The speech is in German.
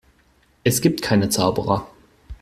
Es gibt keine Zauberer.